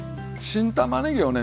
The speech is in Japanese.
新たまねぎをね